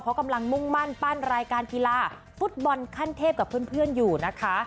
เพราะกำลังมุ่งมั่นปั้นรายการกีฬาฟุตบอลขั้นเทพกับเพื่อนอยู่นะคะ